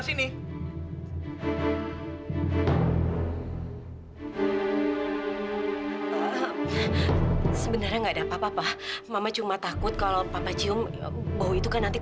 kini janji enggak bakal lapor ke polisi kok